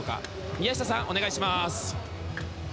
宮下さん、お願いします。